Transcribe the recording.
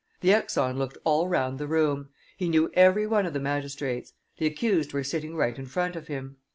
The exon looked all round the room; he knew every one of the magistrates; the accused were sitting right in front of him.